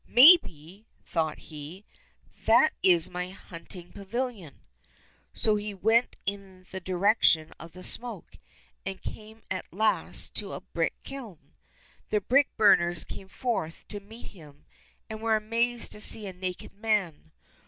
" Maybe," thought he, '' that is my hunting pavilion." So he went in the direction of the smoke, and came at last to a brick kiln. The brick burners came forth to meet him, and were amazed to see a naked man.